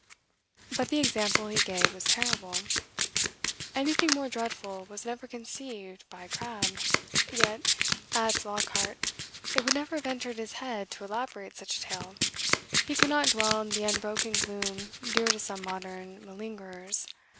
But the example he gave was terrible, "anything more dreadful was never conceived by Crabbe;" yet, adds Lockhart, "it would never have entered into his head to elaborate such a tale." He could not dwell in the unbroken gloom dear to some modern malingerers.